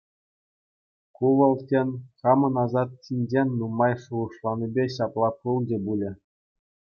Ку вӑл, тен, хамӑн асат ҫинчен нумай шухӑшланипе ҫапла пулчӗ пулӗ.